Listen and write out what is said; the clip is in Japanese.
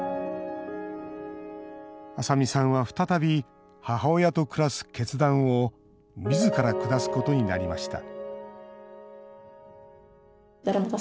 麻未さんは再び母親と暮らす決断をみずから下すことになりました